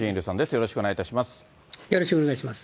よろしくお願いします。